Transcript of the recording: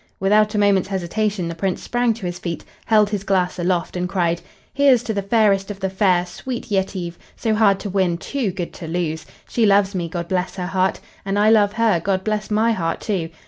Without a moment's hesitation the Prince sprang to his feet, held his glass aloft, and cried: "Here's to the fairest of the fair, sweet Yetive, so hard to win, too good to lose. She loves me, God bless her heart! And I love her, God bless my heart, too!